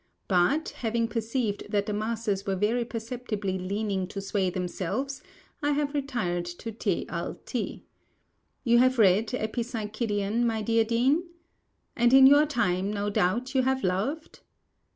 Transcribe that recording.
But, having perceived that the masses were very perceptibly learning to sway themselves, I have retired to Te a Iti. You have read "Epipsychidion," my dear Dean? And, in your time, no doubt you have loved?